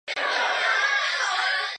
社的崇拜随着分封领土而制度化。